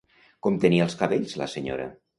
Com tenia els cabells la senyora?